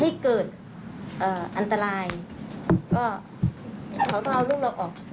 ให้เกิดเอ่ออันตรายก็เขาเอาลูกเราออก